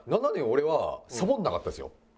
７年俺はサボんなかったですよ。